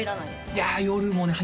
いや夜もね